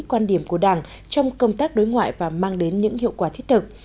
quan điểm của đảng trong công tác đối ngoại và mang đến những hiệu quả thiết thực